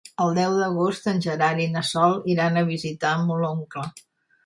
El deu d'agost en Gerard i na Sol iran a visitar mon oncle.